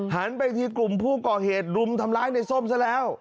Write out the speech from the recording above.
หันไปที่กลุ่มผู้ก่อเหตุรุมทำร้ายในส้มซะแล้ว